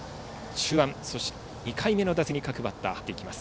中盤、そして２回目の打席に各バッター入っていきます。